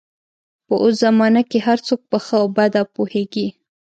په اوس زمانه کې هر څوک په ښه او بده پوهېږي